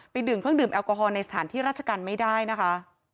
ไปดื่มเพลงดื่มแอลกอฮอล์ในสถานที่ราชกันไม่ได้นะคะ